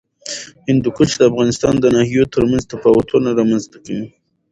هندوکش د افغانستان د ناحیو ترمنځ تفاوتونه رامنځ ته کوي.